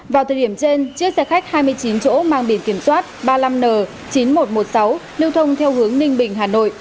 vào thời điểm trên chiếc xe khách hai mươi chín chỗ mang biển kiểm soát ba mươi năm n chín nghìn một trăm một mươi sáu lưu thông theo hướng ninh bình hà nội